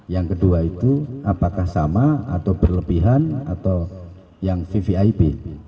yang kedua itu apakah sama atau berlebihan atau yang vvip